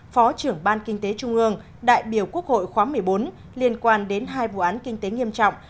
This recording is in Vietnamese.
phó trưởng ban kinh tế trung ương đại biểu quốc hội khóa một mươi bốn liên quan đến hai vụ án kinh tế nghiêm trọng